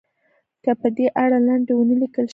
که په دې اړه لنډۍ ونه لیکل شي.